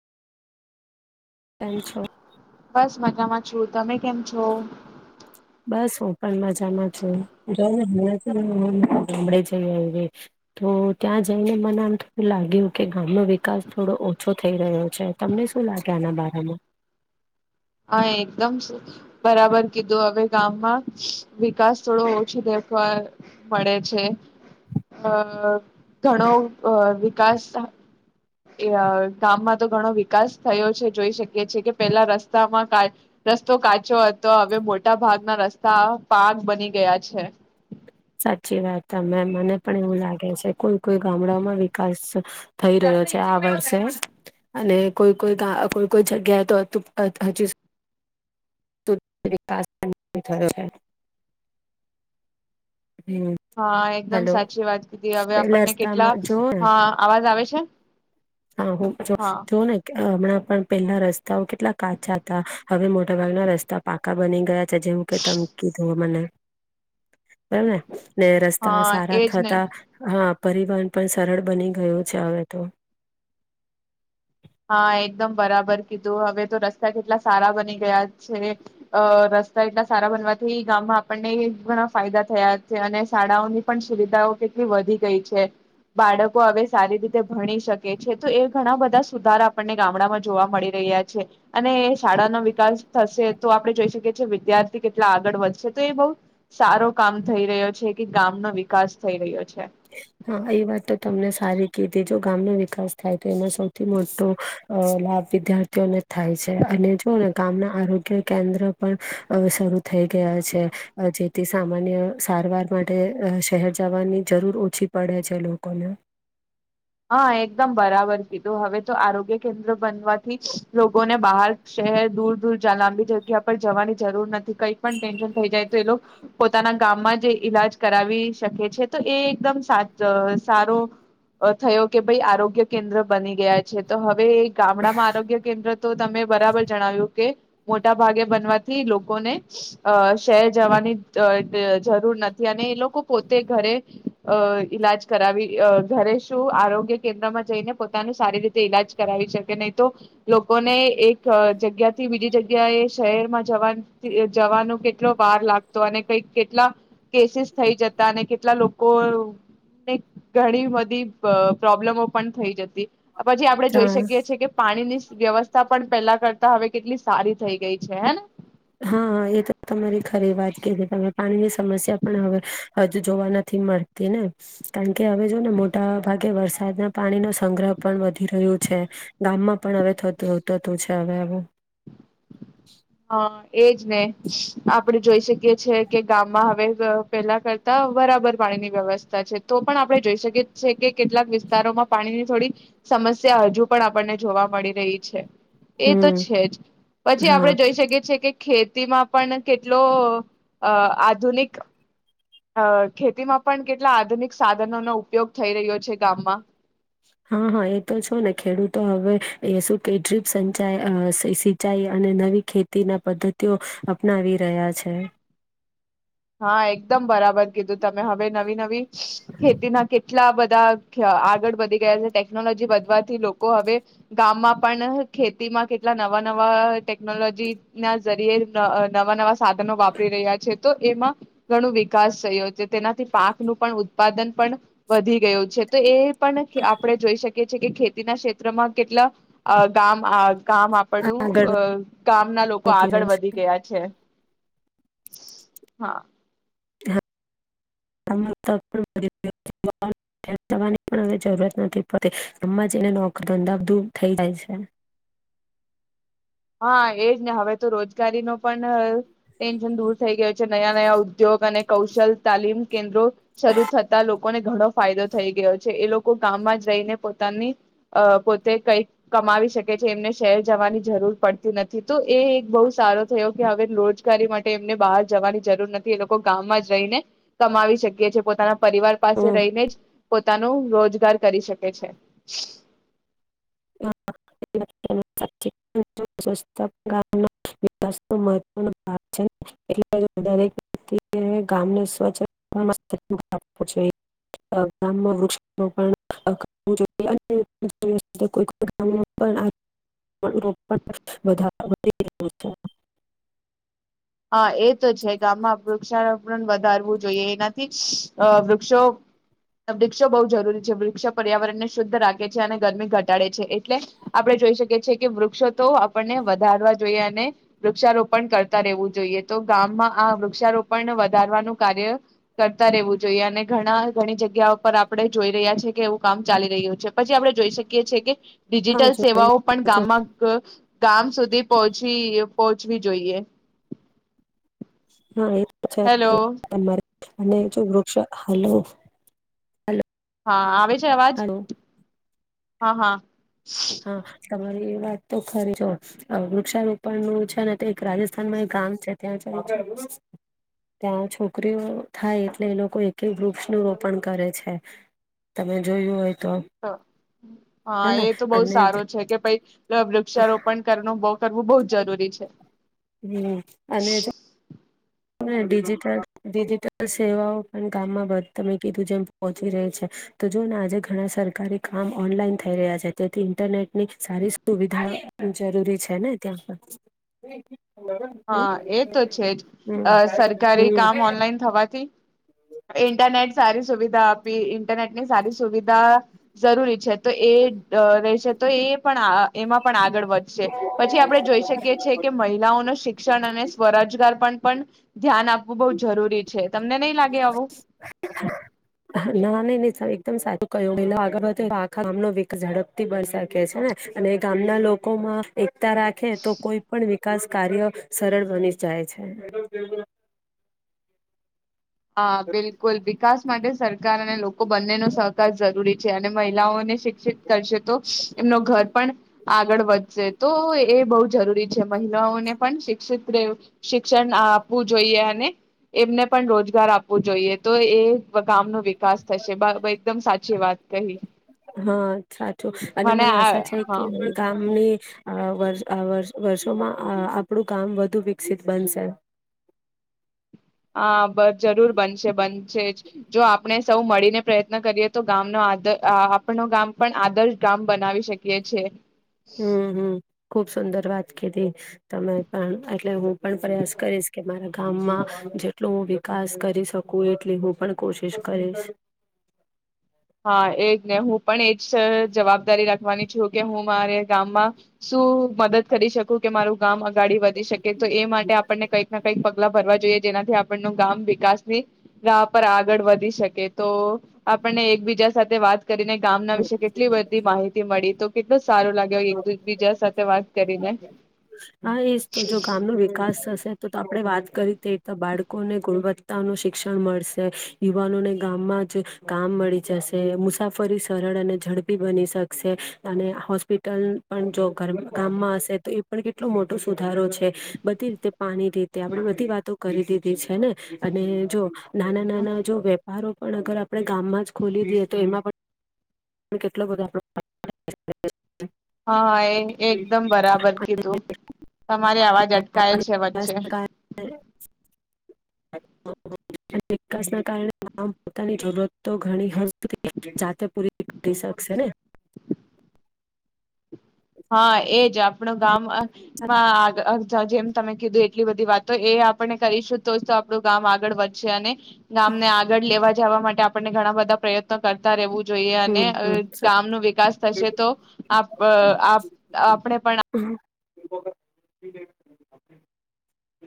L છો. બસ મજામાં છું. તમે કેમ છો? બસ હું પણ મજામાં છું, જોને [unintelligible] ગામડે જઈ તો ત્યાં જઈને મને આમ થોડું લાગ્યું કે ગામનો વિકાસ થોડો ઓછો થઈ રહ્યો છે, તમને શું લાગે આના બારામા. હા એકદમ બરાબર કીધું, હવે ગામમાં વિકાસ થોડો ઓછો દેખવા મળે છે. અ ઘણો વિકાસ ગામમાં તો ઘણો વિકાસ થયો છે, જોઈ શકીએ છીએ કે પેલા રસ્તામાં રસ્તો કાચો હતો, હવે મોટા ભાગના રસ્તા પાક બની ગયા છે. સાચી વાત ત મને પણ એવું લાગે છે કોઈ કોઈ ગામડાઓમાં વિકાસ થઈ રહ્યો છે, આ વર્ષે અને કોઈ કોઈ કોઈ કોઈ જગ્યાએ તો હજુ વિકાસ થયો છે. હમ હા એકદમ હેલો સાચી વાત કીધી, હવે પેલા આપણને કેટલા રસ્તામાં જોઓ હ અવાજ આવે છે હા હું જો હા જો ને કે હમણાં પણ પેલા રસ્તાઓ કેટલા કાચા હતા હવે મોટાભાગના રસ્તા પાકા બની ગયા. જેવું કે તમકી થો મને બરાબર ને ને રસ્તા હા સારા એજ ને થતા હા પરિવહન પણ સરળ બની ગય છે હવે તો. હા એકદમ બરાબર કીધું, હવે તો રસ્તા કેટલા સારા બની ગયા છે અ રસ્તા એટલા સારા બનવાથી ગામમાં આપણને ઘણા ફાયદા થયા છે, અને શાળાઓની પણ સુવિધાઓ કેટલી વધી ગઈ છે, બાળકો હવે સારી રીતે ભણી શકે છે, તો એ ઘણા બધા સુધારા આપણને ગામડામાં જોવા મળી રહ્યા છે, અને શાળાનોો વિકાસ થશે તો આપડણે જોઈ શકીએ છીએ, વિદ્યાર્થી કેટલા આગળ વધશે તો એ બહુ સારો કામ થઈ રહ્યો છે, કે ગામનો વિકાસ થઈ રહ્યો છે હા એ વાત તો તમને સારી કીધી જો ગામનો વિકાસ થાય તો એમાં સૌથી મોટો લાભ વિદ્યાર્થીઓને થાય છે, અને જો ને ગામના આરોગ્ય કેન્દ્ર પણ શરૂ થઈ ગયા છે જે તે સામાન્ય સારવાર માટે શહેર જવાની જરૂર ઓછી પડે છે લોકોને હા એકદમ બરાબર કીધું હવે તો આરોગ્ય કેન્દ્ર બનવાથી લોકોને બહાર શહેર દૂર દૂર લાંબી જગ્યા પર જવાની જરૂર નથી કઈ પણ ટેન્શન થઈ જાય તો એ લોકો પોતાના ગામમાં જે ઈલાજ કરાવી શકે છે તો એ એકદમ સા સારો થયો કે ભાઈ આરોગ્ય કેન્દ્ર બની ગયા છે તો હવે ગામડામાં આરોગ્ય કેન્દ્ર તો તમે બરાબર જણાવ્યું કે મોટા ભાગે બનવાથી લોકોને અ શહેર જવાની જરૂર નથી અને એ લોકો પોતે ઘરે અ ઈલાજ કરાવી ઘરે ગ્ય કેન્દ્રમાં જઈને પોતાનું સારી રીતે ઈલાજ કરાવી શકે નહી તો લોકોને એક જગ્યા થી બીજી જગ્યા એ શહેરમાં જવા જવાનું કેટલો વાર લાગતો અને કઈક કેટલા કેસીિસ થઈ જતા અને કેટલા લોકોને ઘણી બધી પ્રોબ્લેમો પણ થઈ જતી પછી આપણે જોઈ ત્યાં શકીએીએ કે પાણીની વ્યવસ્થા પણ પેલા હવે કેટલી સારી થઈ ગઈ છે હે હા એ તો તમારી ખરી વાત કે છે તમે પાણીની સમસ્યા પણ હવે હજુ જોવા નથી મળતી ને કારણકે હવે જો ને મોટા ભાગે વરસાદના પાણી નો સંગ્રહ પણ વધી રહ્યો છે ગામમાં પણ હવે થ થતું છે હવે આવ હા એજ ને આપણે જોઈ શકીએ છેએ કે ગામમાં હવે પેલા કરતા બરાબર પાણીની વ્યવસ્થા છે તો પણ આપણે જોઈ શકીએ છીએ, કે કેટલાક વિસ્તારોમાં પાણીની થોડી સમસ્યા હજુ પણ આપણને જોવા મળી રહી છે. એ તો હમ છે. જ પછી, આપડણે હા જોઈ કે ખેતીમાં પણ કેટલો અ આધુનિક અ ખેતીમાં પણ કેટલા આધુનિક સાધનોનો ઉપયોગ થઈ રહ્યો છે. ગામમાં હા હા એ તો છો ને ખેડૂતો હવે એ શું કે ડ્રીપ સચાઈ સિંચાઈ અને નવી ખેતી ના પદ્ધતિઓ અપનાવી રહ્યા છે. હા, એકદમ બરાબર કીધું તમે હવે નવી નવી ખેતીના કેટલા બધા આગળ વધી ગયા છે. ટેકનોલોજી વધવાથી લોકો હવે ગામમાં પણ ખેતીમાં કેટલા નવા નવા ટેકનોલોજી ના જરીયે નવા નવા સાધનો વાપરી રહ્યા છે, તો એમાં ઘણો વિકાસ થયો છે. તેનાથી પાકનું પણ ઉત્પાદન પણ, વધી ગયો છે તો એ પણ આપડણે જોઈ શકીએ કે ખેતીના ક્ષેત્રમાં કેટલા ગામ કામ આપું આગળ અ ગામના લોકો આગળ રહ્યું છે વધી હા ગયા છે. [inaudible] હા, હની પણ હ જરૂરત નથી પડતી. ગમાં જઈને નોક ધંધાધૂ થઈ જાય છે. હા, એજ ને હવે તો રોજગારી નો પણ ટેન્શન દૂર થઈ ગયો છે નયા નયા ઉદ્યોગ અને કૌશલ તાલીમ કેન્દ્રો શરૂ થતા લો કોને ઘણો ફાયદો થઈ ગયો છે. એ લોકો ગામમાં રઈને પોતાની અ પોતે કઈક કમાવી શકે છે એમને શહેર જવાની જરૂર પડતી નથી તો એ એક બહુ સારો થયો કે હવે રોજગારી માટે એમને બહાર જવાની જરૂર નથી એ લોકો ગામમાં જ રહીને કમાવી શકી છે પોતાના પરિવાર પાસે હમ રહીને જ પોતાનું રોજગાર કરી શકે છે [inaudible] [inaudible] હા એ તો છે ગામમાં વૃક્ષારોપણ વધારવું જોઈએ એનાથી અ વૃક્ષો વૃક્ષો બહુ જરૂરી છે વૃક્ષો પર્યાવરણને શુદ્ધ રાખે છે અને ગરમી ઘટાડે છે એટલે આપણે જોઈ શકીએ છીએ કે વૃક્ષો તો આપણને વધારવા જોઈએ અને વૃક્ષારોપણ કરતા રહેવું જોઈએ તો ગામમાં આ વૃક્ષારોપણ વધારવાનું કાર્ય કરતા રહેવું જોઈએ અને ઘણા ઘણી જગ્યા ઉપર આપણે જોઈ રહ્યા છી કે એવું કામ ચાલી રહ્યું છે પછી આપડે જોઈ શકીએ છીએ કે ડિજિટલ છે હા સેવાઓ પણ જો ગામમાં ગામ સુધી પહો પછી પહોંચવી જોઈએ. હેલો. હા. [inaudible] અને જો વૃક્ષો હાલો હાલ હા આવે છે અવાજ? હા હા. હા. તમારી એ વાત તો ખરી જો આ વૃક્ષારોપણ નું છે ને એક રાજસ્થાનમાં એક ગામ છે ત્યાં [inaudible] ત્યાં છોકરીઓ થાય એટલે એ લોકો એક વૃક્ષ નું રોપણ કરે છે તમે જોયું તો. હા હેને એ તો બઉ અને સારો છે કે પાઈ વૃક્ષારોપણ કરનો બવ કરવું બહુ જરૂરી છે. હમ્મ અને ડિજિટલ ડિજિટલ સેવાઓ પણ ગામમાં તમે કીધું જેમ પહોંચી રહી છે. તો જોને આજે ઘણા સરકારી કામ ઓનલાઈન થઈ રહ્યા છે તેથી ઇન્ટરનેટની સારી સુવિધા જરૂરી છે ને ત્યાં પણ. હા એ તો છે જ. અ હમ સરકારી હમ કામ ઓનલાઈન થવાથી ઇન્ટરનેટ સારી સુ દા આપી ઇન્ટરનેટ ની સાદી સુવિધા જરૂરી છે. તો એ અ રહેશે તો એ પણ આ એમાં પણ આગળ વધશે. પછી આપડે જોઈ શકીએ છીએ કે મહિલાઓનો અને સ્વરાજગાર પણ પણ ધ્યાન આપવું બઉ જરૂરી છે. તમને નહીં લા ના ને એકદમ સાચું કહ્યું આગળ [unintelligible] આખા ગામનો વિક ઝડપથી બન શકે છે અને ગામના લોકોમાં તા રાખે તો કોઈ પણ વ્ય વિકાસ કાર્યો સરળ બની જાય છે. હા બિલકુલ વિકાસ માટે સરકાર અને લોકો બંને નો સહકાર જરૂરી છે અને મહિલાઓને શિક્ષિત કરશે તો એમનું ઘર પણ આગળ વધશે. તો એ બહુ જરૂરી છે મહિલાઓને પણ શિક્ષિત રે શિક્ષણ આપવું જોઈએ અને એમને પણ રોજ ગાર આપવું જોઈએ તો એ ગામ નો કાસ થશે બરાબર એકદમ સાચી વાત કહી. હા સાચું અને મને આ હા અ વર્ષ અ વર્ષ વર્ષોમાં અ આપણું કામ વધુ વિકસિત બનશે. અ બ જરૂર બનશે બનશે જ જો આપણે સૌ મળીને પ્રયત્ન કરીએ તો ગામનો આદ આપ ગામ પણ આદર્શ ગામ બનાવી શકીએ છે. હમ્મ હમ્મ ખુબ સુંદર વાત. કેતી તમે પણ એટલે હું પણ પ્રયાસ કરીશ કે મારા કામમાં જેટલું હું ખાસ કરી શકું એટલી હું પણ કોશિશ કરીશ. હા એજ ને હું પણ એ સ જવાબદારી રાખવાની છું. કે હું મારે ગામમાં શું મદદ કરી શકું કે મારું ગામ અગાડી વધી શકે તો એ માટે આપણને કંઈકને કંઈક પગલા ભરવા જોઈએ જેનાથી આપનનો ગામ વિકાસની રા પર આગળ વધી શકે તો આપનને એક બીજા સાથે વાત કરીને ગામના હમ વિશે કેટલી બધી માહિતી મળી. તો કેટલુ સ કરીને હા એજ તો જો ગામ નું વિકાસ થશે તો તો આપડે વાત કરી તે તો બાળકોને ગુણવત્તા નું શિક્ષણ મળશે, યુવાનોને ગામમાં જ કામ મળી જશે. મુસાફરી સરળ અને ઝડપી બની શકશે. અને હોસ્પિ ટલ પણ જો ઘર ગામમાં હશે તો એ પણ કેટલો મોટો સુધારો છે. બધી રીતે પાણી રીતે આપણે બધી વાતો કરી દીધી છેને. અને જો નાના નાના જો વ્યાપારો પણ અગર આપણે ગામમાં જ ખોલી દઈએ તો એમાં પણ કેટલો બધો [unintelligible] હા એ એકદમ બરાબર કીધું તમારે અવાજ અટકાય છે વચ્ચે. વિકાસના કારણે [unintelligible] પોતાની જરૂરત તો ઘણી [unintelligible] જાતે પૂરી કરી શકશે ને. હા એજ આપણું ગામ અ મા અ [unintelligible] જેમ તમે કીધું એટલી બધી વાતો એ આપણને કરીશું તો જ તો આપણું ગામ આગળ વધશે અને ગામ ને આગળ લેવા જવા માટે આપણને ઘણા બધા પ્રયત્નો કરતા રહેવું જોઈએ. અને હમ હમ ગામનો વિકાસ થશે તો આપ અ આપ આપણેે પણ [inaudible]